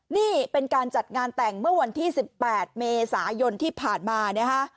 นี่เป็นการจัดงานแต่งเมื่อวันที่๑๘เมษายนที่ผ่านมานะฮะ